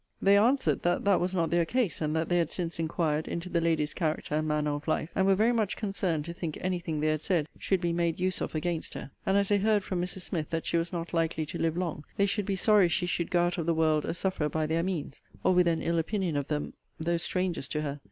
They answered, that that was not their case; and that they had since inquired into the lady's character and manner of life, and were very much concerned to think any thing they had said should be made use of against her: and as they heard from Mrs. Smith that she was not likely to live long, they should be sorry she should go out of the world a sufferer by their means, or with an ill opinion of them, though strangers to her.